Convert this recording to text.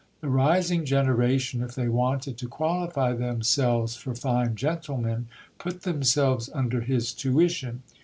The rising generation, if they wanted to qualify themselves for fine gentlemen, put themselves under his tuition.